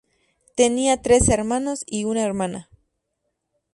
Tenía tres hermanos y una hermana.